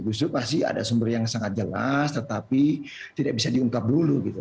justru pasti ada sumber yang sangat jelas tetapi tidak bisa diungkap dulu gitu